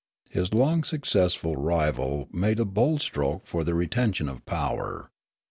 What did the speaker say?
His long successful rival made a bold stroke for the retention of power.